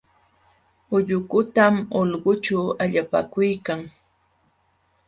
Ullukutam ulqućhu allapakuykan.